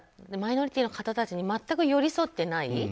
マイノリティーの方たちに全く寄り添っていない。